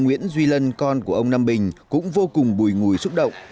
nguyễn duy lân con của ông nam bình cũng vô cùng bùi ngùi xúc động